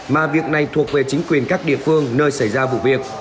mà việc này thuộc về chính quyền các địa phương nơi xảy ra vụ việc